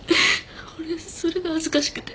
俺それが恥ずかしくて。